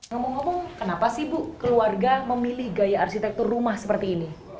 ngomong ngomong kenapa sih bu keluarga memilih gaya arsitektur rumah seperti ini